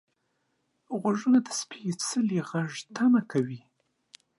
غوږونه د سپیڅلي غږ تمه کوي